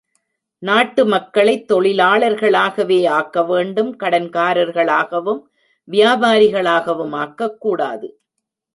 நாட்டு மக்களைத் தொழிலாளர்களாகவே ஆக்கவேண்டும் கடன்காரர்களாகவும் வியாபாரிகளாகவும் ஆக்கக்கூடாது.